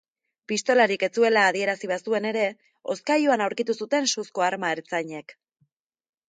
Pistolarik ez zuela adierazi bazuen ere, hozkailuan aurkitu zuten suzko arma ertzainek.